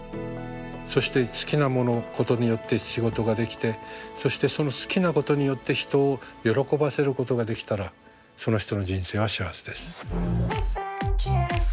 そして好きなものことによって仕事ができてそしてその好きなことによって人を喜ばせることができたらその人の人生は幸せです。